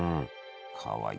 かわいい。